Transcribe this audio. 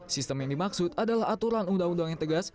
sistem yang dimaksud adalah aturan undang undang yang tegas